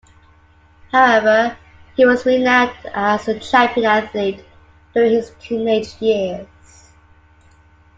However, he was renowned as a champion athlete during his teenage years.